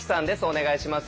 お願いします！